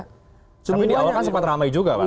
sebenarnya di awal kan sempat ramai juga pak